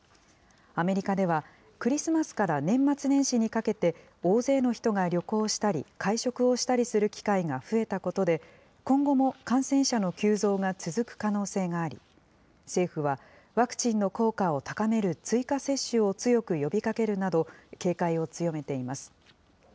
アメリカではクリスマスから年末年始にかけて、大勢の人が旅行したり、会食をしたりする機会が増えたことで、今後も感染者の急増が続く可能性があり、政府は、ワクチンの効果を高める追加接種を強く呼びかけるなど、警戒を強めています。